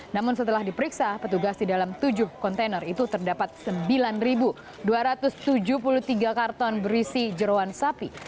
namun setelah diperiksa petugas di dalam tujuh kontainer itu terdapat sembilan dua ratus tujuh puluh tiga karton berisi jerawan sapi